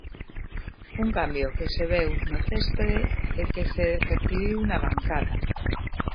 Un cambio que se veu no céspede e que se percibiu na bancada.